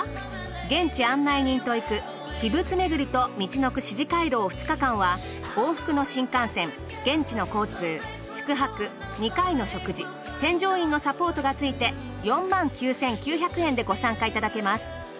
現地案内人と行く秘仏巡りとみちのく四寺廻廊２日間は往復の新幹線現地の交通宿泊２回の食事添乗員のサポートが付いて４９，９００円でご参加いただけます。